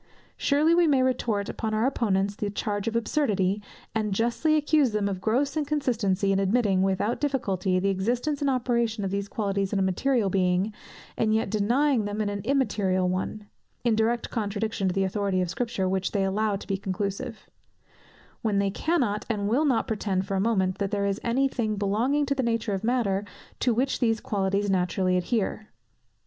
Surely we may retort upon our opponents the charge of absurdity, and justly accuse them of gross inconsistency, in admitting, without difficulty, the existence and operation of these qualities in a material being, and yet denying them in an immaterial one (in direct contradiction to the authority of Scripture, which they allow to be conclusive) when they cannot, and will not pretend for a moment, that there is any thing belonging to the nature of matter, to which these qualities naturally adhere.